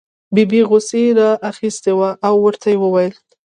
ببۍ غوسې را اخیستې وه او ورته یې وویل.